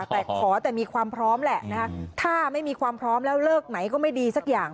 แต่ขอแต่มีความพร้อมแหละนะคะถ้าไม่มีความพร้อมแล้วเลิกไหนก็ไม่ดีสักอย่าง